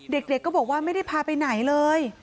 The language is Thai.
เด็กก็บอกว่าไม่ได้พาไปไหนเลย